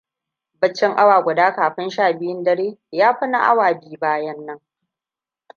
Baccin awa guda kafin shabiyun dare ya fi na awa biyu bayan nan.